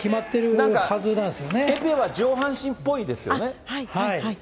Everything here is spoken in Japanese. なんかエペは上半身っぽいですよね。